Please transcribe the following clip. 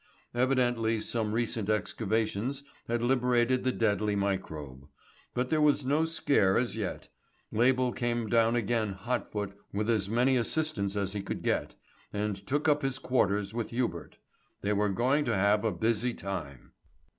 Evidently some recent excavations had liberated the deadly microbe. But there was no scare as yet. Label came down again hot foot with as many assistants as he could get, and took up his quarters with Hubert. They were going to have a busy time.